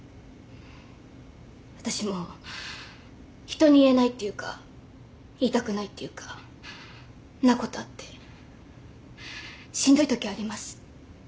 私も人に言えないっていうか言いたくないっていうかなことあってしんどいときあります。